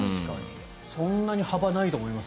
そんなに幅ないと思いますよ。